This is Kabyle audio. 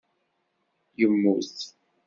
Immut.